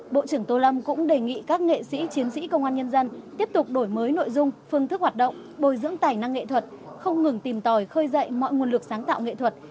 bộ trưởng tô lâm cũng đề nghị các nghệ sĩ chiến sĩ công an nhân dân tiếp tục đổi mới nội dung phương thức hoạt động bồi dưỡng tài năng nghệ thuật không ngừng tìm tòi khơi dậy mọi nguồn lực sáng tạo nghệ thuật